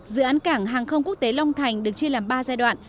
dự án cảng hàng không quốc tế long thành được chia làm ba giai đoạn